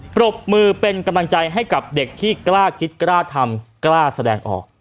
ปรบมือเป็นกำลังใจให้กับเด็กที่กล้าคิดกล้าทำกล้าแสดงออก